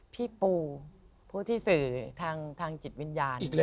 พี่ปูผู้ที่สื่อทางจิตวิญญาณ